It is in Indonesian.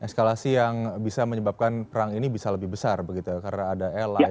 eskalasi yang bisa menyebabkan perang ini bisa lebih besar begitu karena ada ally sekutu yang bermain disana